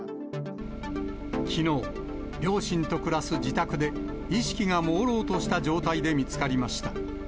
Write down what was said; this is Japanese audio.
きのう、両親と暮らす自宅で、意識がもうろうとした状態で見つかりました。